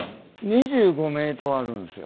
２５ｍあるんですよ。